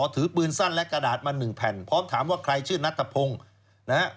ถือปืนสั้นและกระดาษมาหนึ่งแผ่นพร้อมถามว่าใครชื่อนัทพงศ์นะฮะ